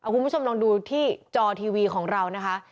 คุณผู้ชมลองดูที่จอทีวีของเรานะคะ